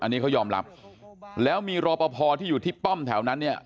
อันนี้เขายอมรับแล้วมีรอปภที่อยู่ที่ป้อมแถวนั้นเนี่ย